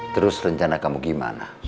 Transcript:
terus rencana kamu gimana